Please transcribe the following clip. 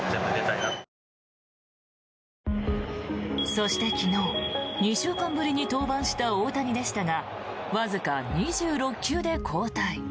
そして昨日、２週間ぶりに登板した大谷でしたがわずか２６球で交代。